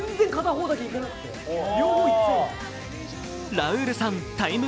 ラウールさん、「ＴＩＭＥ，」